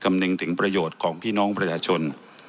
คำนึงถึงประโยชน์ของพี่น้องประชาชน